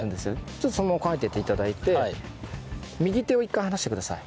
ちょっとそのまま構えてていただいて右手を１回離してください。